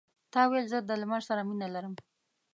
تا ویل زه د لمر سره مینه لرم.